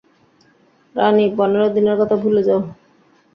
রানি, পনেরো দিনের কথা ভুলে যাও।